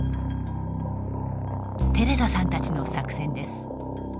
テレザさんたちの作戦です。